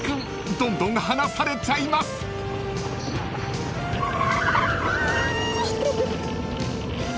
どんどん離されちゃいます］わ！